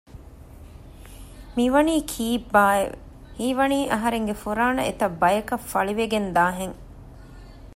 މިވަނީ ކީއްބާއެވެ؟ ހީވަނީ އަހަރެންގެ ފުރާނަ އެތައް ބަޔަކަށް ފަޅިވެގެންދާ ހެން